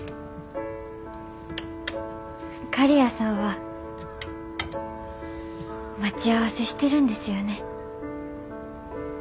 刈谷さんは待ち合わせしてるんですよね。